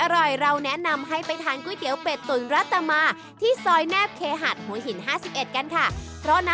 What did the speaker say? อร่อยเราแนะนำให้ไปทานก๋วยเตี๋ยวเป็ดตุ๋นรัตนาที่ซอยแนบเคหัดหัวหินห้าสิบเอ็ดกันค่ะเพราะนะ